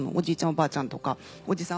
おばあちゃんとかおじさん